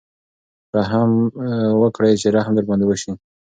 رحم وکړئ چې رحم در باندې وشي.